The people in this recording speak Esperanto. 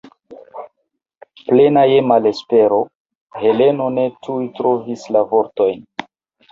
Plena je malespero, Heleno ne tuj trovis la vortojn.